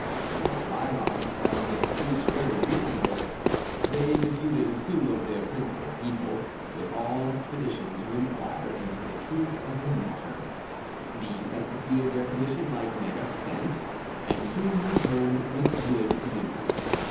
The Oreillons found this speech very reasonable. They deputed two of their principal people with all expedition to inquire into the truth of the matter; these executed their commission like men of sense, and soon returned with good news.